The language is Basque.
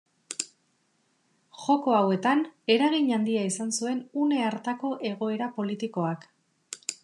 Joko hauetan, eragin handia izan zuen une hartako egoera politikoak.